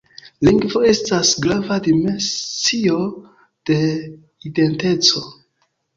Lingvo estas grava dimensio de identeco.